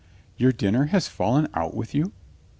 "Your dinner has fallen out with you?"